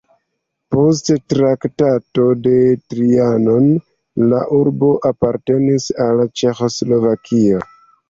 Post Traktato de Trianon la urbo apartenis al Ĉeĥoslovakio.